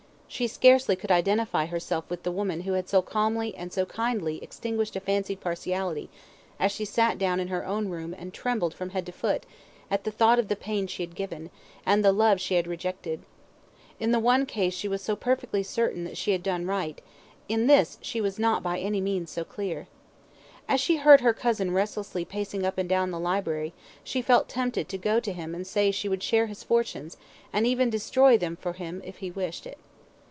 She scarcely could identify herself with the woman who had so calmly and so kindly extinguished a fancied partiality, as she sat down in her own room and trembled from head to foot at the thought of the pain she had given, and the love she had rejected. In the one case she was perfectly certain that she had done right, in this she was not by any means so clear. As she heard her cousin restlessly pacing up and down the library, she felt tempted to go to him and say she would share his fortunes, and even destroy them for him if he wished it.